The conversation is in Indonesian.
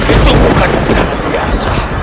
itu bukan pedang biasa